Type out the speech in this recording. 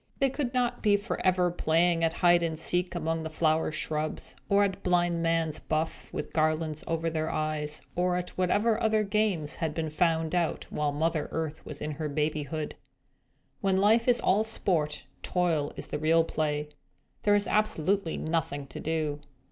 They could not be forever playing at hide and seek among the flower shrubs, or at blind man's buff with garlands over their eyes, or at whatever other games had been found out, while Mother Earth was in her babyhood. When life is all sport, toil is the real play. There was absolutely nothing to do.